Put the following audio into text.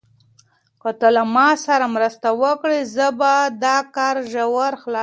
که ته له ما سره مرسته وکړې، زه به دا کار ژر خلاص کړم.